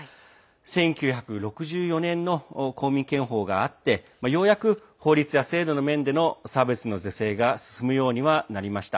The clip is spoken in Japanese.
１９６４年の公民権法があってようやく法律や制度の面での差別の是正が進むようにはなりました。